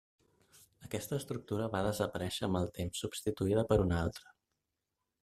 Aquesta estructura va desaparèixer amb el temps, substituïda per una altra.